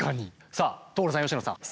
さあ所さん佳乃さん。